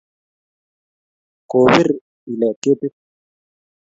Ko bir ilet ketit